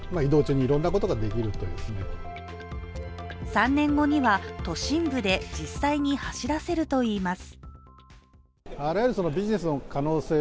３年後には都心部で実際に走らせるといいます。